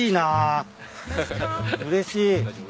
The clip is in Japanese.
うれしい。